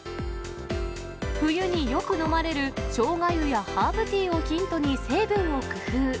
冬によく飲まれるショウガ湯やハーブティーをヒントに成分を工夫。